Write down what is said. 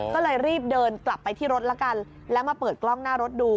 ก็เลยรีบเดินกลับไปที่รถละกันแล้วมาเปิดกล้องหน้ารถดู